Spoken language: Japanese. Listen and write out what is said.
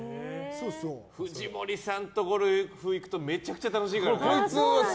藤森さんとゴルフ行くとめちゃくちゃ楽しいからね。